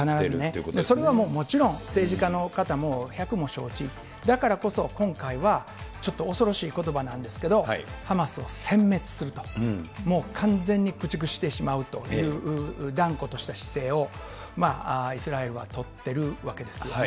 それはもうもちろん、政治家の方も百も承知、だからこそ、今回はちょっと恐ろしいことばなんですけれども、ハマスをせん滅すると、もう完全に駆逐してしまうという、断固とした姿勢を、イスラエルは取ってるわけですよね。